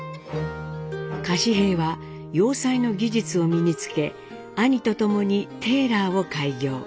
柏平は洋裁の技術を身につけ兄と共にテーラーを開業。